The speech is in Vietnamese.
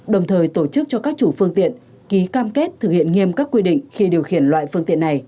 đồng thời tổ chức cho các chủ phương tiện ký cam kết thực hiện nghiêm các quy định khi điều khiển loại phương tiện này